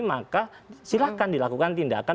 maka silahkan dilakukan tindakan